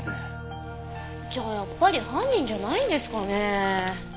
じゃあやっぱり犯人じゃないんですかねえ。